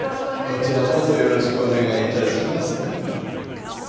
こちらこそよろしくお願いいたします。